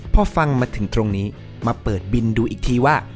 พอฟังมาถึงตรงนี้มาเปิดบินดูอีกทีว่า